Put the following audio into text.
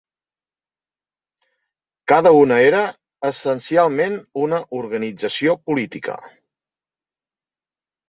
Cada una era, essencialment, una organització política